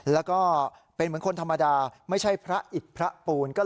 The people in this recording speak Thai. แล้วก็เป็นเหมือนคนธรรมดาไม่ใช่พระอิตพระปูน